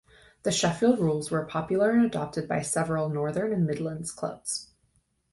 The Sheffield rules were popular and adopted by several Northern and Midlands clubs.